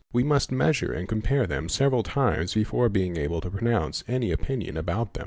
We must measure and compare | them several times before being able to pronounce any opinion about them.